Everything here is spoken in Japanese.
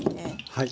はい。